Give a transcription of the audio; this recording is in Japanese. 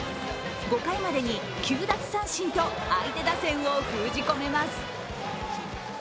５回までに９奪三振と相手打線を封じ込めます。